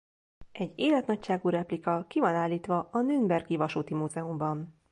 Egy életnagyságú replika ki van állítva a Nürnbergi vasúti múzeumban.